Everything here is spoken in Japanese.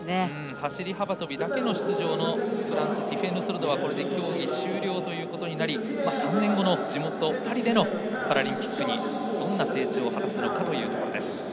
走り幅跳びだけの出場のソルドはこれで競技終了となり３年後の地元パリでのパラリンピックにどんな成長を果たすのかというところです。